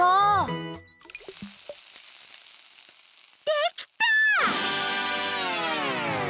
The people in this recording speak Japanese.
できた！